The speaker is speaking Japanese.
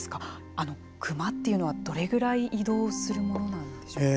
クマというのはどれぐらい移動するものなんでしょうか。